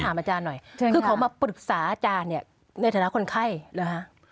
ขอถามอาจารย์หน่อยเขามาปรึกษาอาจารย์เนี่ยในฐานะคนไข้หรือฮะ